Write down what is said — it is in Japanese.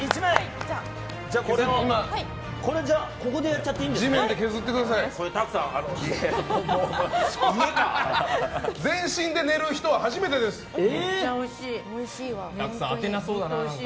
ここでやっちゃっていいんですか？